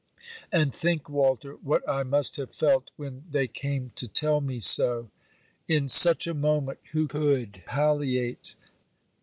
And think, Walter, what I must have felt when they came to tell me so. In such a moment, who could palliate?